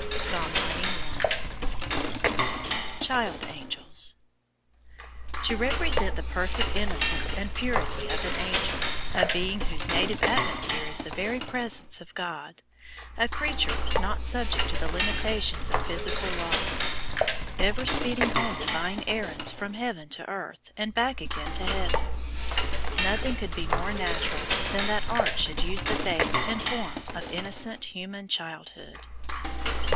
PSALM XCI. CHAPTER V. CHILD ANGELS. To represent the perfect innocence and purity of an angel, a being whose native atmosphere is the very presence of God, a creature not subject to the limitations of physical laws, ever speeding on divine errands from heaven to earth and back again to heaven, nothing could be more natural than that art should use the face and form of innocent human childhood.